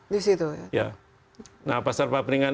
di situ ya ya nah pasar paperingan